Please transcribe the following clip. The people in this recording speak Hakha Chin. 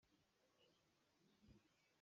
Na mit i chin tuah.